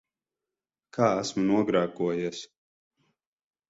Kā esmu nogrēkojies?